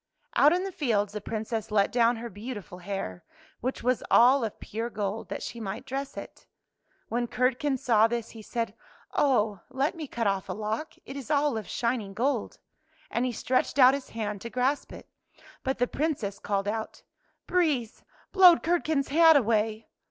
Out in the fields the Princess let down her beautiful hair, which was all of pure gold, that she might dress it. When Curdken saw this he said, '' Oh, let me cut off a lock. It is all of shining gold." And he stretched out his hand to grasp it. But the Princess called out, " Breeze, blow Curdken's hat away!